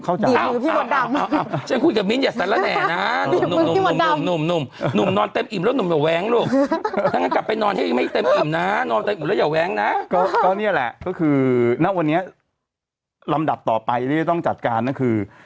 ก็นี่แหละก็คือวันนี้ลำดับต่อไปที่จะต้องจัดการคือ